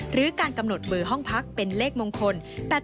หรือการกำหนดเบอร์ห้องพักเป็นเลขมงคล